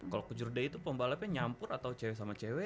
kalau ke jurda itu pembalapnya nyampur atau cewek sama cewek